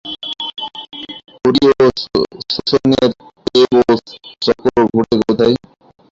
কোরীয় শ্বসনের ক্রেবস চক্র ঘটে কোথায়?